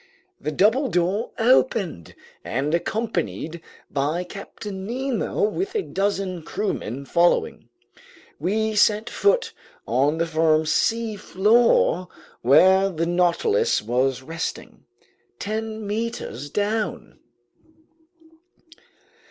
The double door opened, and accompanied by Captain Nemo with a dozen crewmen following, we set foot on the firm seafloor where the Nautilus was resting, ten meters down.